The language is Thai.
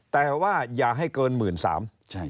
แต่ว่าอย่าให้เกินหมื่นสามใช่